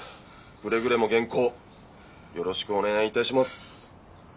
くれぐれも原稿よろしくお願いいたします。